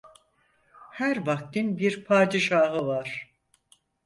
Her vaktin bir padişahı var.